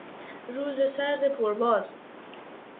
روز سرد پر باد